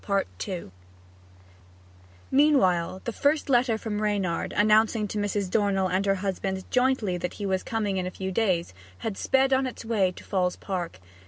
Meanwhile the first letter from Reynard, announcing to Mrs. Dornell and her husband jointly that he was coming in a few days, had sped on its way to Falls Park.